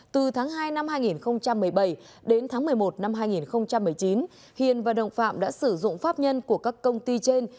từ tháng hai năm hai nghìn một mươi bảy đến tháng một mươi một năm hai nghìn một mươi chín hiền và đồng phạm đã sử dụng pháp nhân của các công ty trên